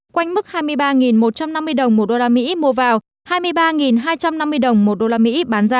quanh mức hai mươi ba một trăm năm mươi đồng một đô la mỹ mua vào hai mươi ba hai trăm năm mươi đồng một đô la mỹ bán ra